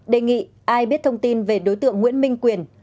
đề nghị ai biết thông tin về đối tượng nguyễn minh quyền